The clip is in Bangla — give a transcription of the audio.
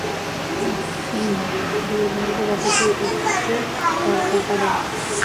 কফিন, দুর্ভাগ্যবশত, একটু দরকার পড়ে।